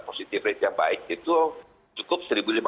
positive rate yang baik itu cukup satu lima ratus